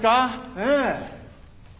ねえ？